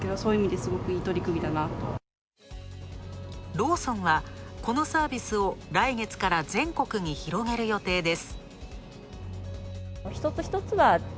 ローソンはこのサービスを来月から全国に広げる予定です。